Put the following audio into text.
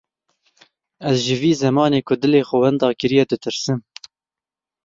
Ez ji vî zemanê ku dilê xwe wenda kiriye, ditirsim.